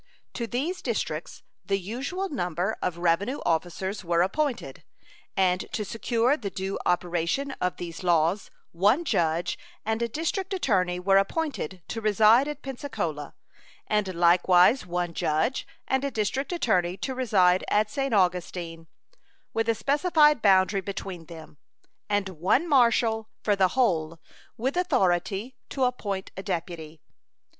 To these districts the usual number of revenue officers were appointed; and to secure the due operation of these laws one judge and a district attorney were appointed to reside at Pensacola, and likewise one judge and a district attorney to reside at St. Augustine, with a specified boundary between them; and one marshal for the whole, with authority to appoint a deputy.